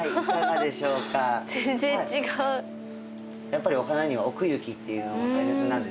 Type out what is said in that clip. やっぱりお花には奥行きっていうのが大切なんでですね